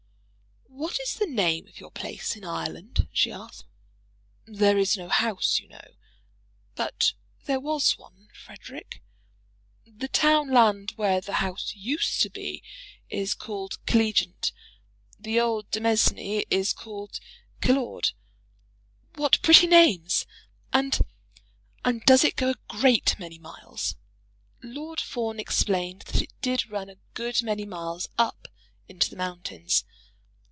"What is the name of your place in Ireland?" she asked. "There is no house, you know." "But there was one, Frederic?" "The town land where the house used to be, is called Killeagent. The old demesne is called Killaud." "What pretty names! and and does it go a great many miles?" Lord Fawn explained that it did run a good many miles up into the mountains.